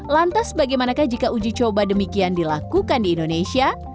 lantas bagaimanakah jika uji coba demikian dilakukan di indonesia